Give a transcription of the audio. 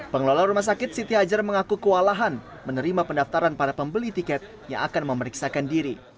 pengelola rumah sakit siti hajar mengaku kewalahan menerima pendaftaran para pembeli tiket yang akan memeriksakan diri